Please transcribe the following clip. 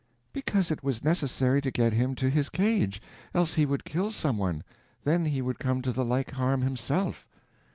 "Because it was necessary to get him to his cage; else he would kill some one. Then he would come to the like harm himself."